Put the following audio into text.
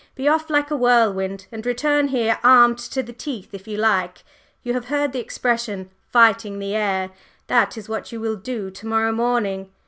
be off like a whirlwind, and return here armed to the teeth if you like! You have heard the expression 'fighting the air'? That is what you will do to morrow morning!"